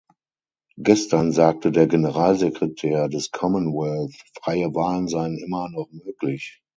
Gestern sagte der Generalsekretär des Commonwealth, freie Wahlen seien immer noch möglich.